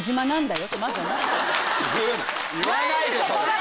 言わないでそれ。